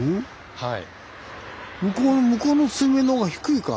はい。